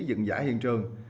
dựng giải hiện trường